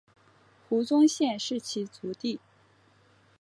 胡宗宪是其族弟。